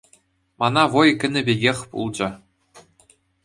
Мана вӑй кӗнӗ пекех пулчӗ.